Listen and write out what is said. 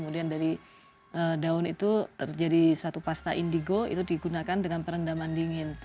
jadi daun itu terjadi satu pasta indigo itu digunakan dengan perendaman dingin